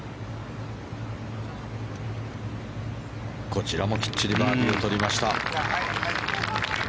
こちらもきっちりバーディーを取りました。